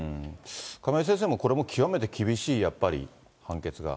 亀井先生もこれもう極めて厳しいやっぱり判決が？